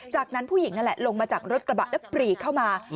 จากนั้นผู้หญิงนั่นแหละลงมาจากรถกระบะแล้วปรีเข้ามา